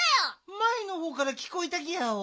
まえのほうからきこえたギャオ。